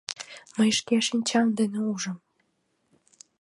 — Мый шке шинчам дене ужым.